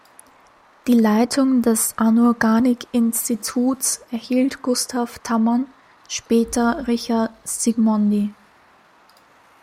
Die Leitung des Anorganik-Instituts erhielt Gustav Tammann, später Richard Zsigmondy.